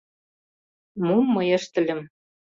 Мом мый ыштыльым?